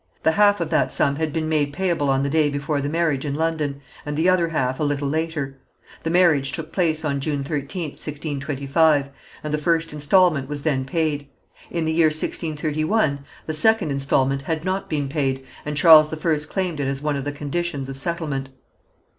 The half of that sum had been made payable on the day before the marriage in London, and the other half a little later. The marriage took place on June 13th, 1625, and the first instalment was then paid. In the year 1631 the second instalment had not been paid, and Charles I claimed it as one of the conditions of settlement.